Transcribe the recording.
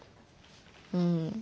うん。